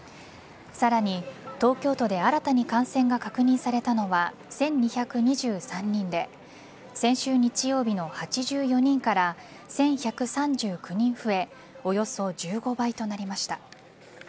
さらに、東京都で新たに感染が確認されたのは１２２３人で先週日曜日の８４人から１１３９人増えおよそ１５倍となりました。